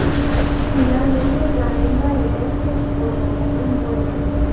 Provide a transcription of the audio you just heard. Finalmente, la hembra emerge y por lo común muere.